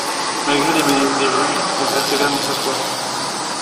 Malgré les menaces des juges, elle persévère dans sa foi.